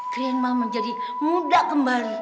kerenma menjadi muda kembali